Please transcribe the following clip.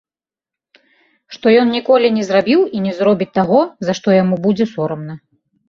Што ён ніколі не зрабіў і не зробіць таго, за што яму будзе сорамна.